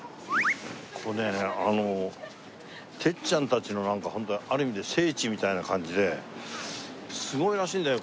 ここねあの鉄ちゃんたちのなんかホントある意味で聖地みたいな感じですごいらしいんだよ。